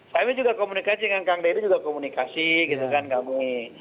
kami juga komunikasi dengan kang deddy juga komunikasi gitu kan kami